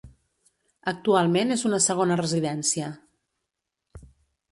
Actualment és una segona residència.